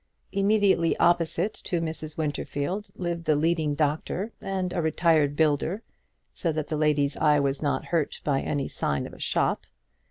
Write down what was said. Immediately opposite to Mrs. Winterfield lived the leading doctor and a retired builder, so that the lady's eye was not hurt by any sign of a shop.